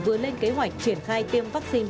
vừa lên kế hoạch triển khai tiêm vaccine